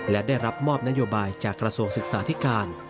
และได้รับมอบนโยบายจากกระทรวงศึกษาธิการ